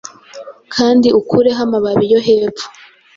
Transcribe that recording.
kandi ukureho amababi yo hepfo